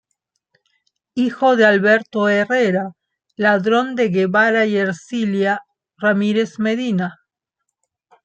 Hijo de Alberto Herrera Ladrón de Guevara y Ercilia Ramírez Medina.